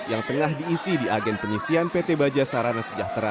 yang tengah diisi di agen penyisian pt bajasarana sejahtera